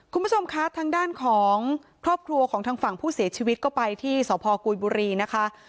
คุณผู้ชมคะทางด้านของครอบครัวของทางฝั่งผู้เสียชีวิตก็ไปที่สพกุยบุรีนะคะ